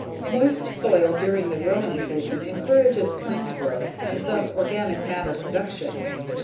Moist soil during the growing season encourages plant growth and thus organic matter production.